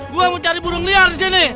gue mencari burung liar disini